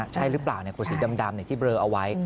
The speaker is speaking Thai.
ใช่หรือเปล่าขวดสีดำที่เบลอเอาไว้